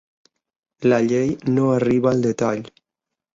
La llei no arriba al detall.